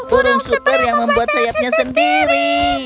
burung super yang membuat sayapnya sendiri